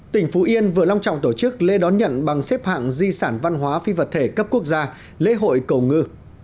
tỉnh phú yên vừa long trọng tổ chức lễ đón nhận bằng xếp hạng di sản văn hóa phi vật thể cấp quốc gia lễ hội cầu ngư